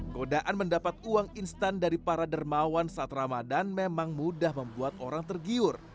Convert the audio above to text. godaan mendapat uang instan dari para dermawan saat ramadan memang mudah membuat orang tergiur